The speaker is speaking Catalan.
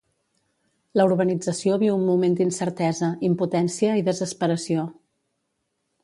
La urbanització viu un moment d'incertesa, impotència i desesperació.